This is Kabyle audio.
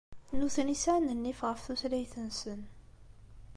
Nutni sɛan nnif ɣef tutlayt-nsen.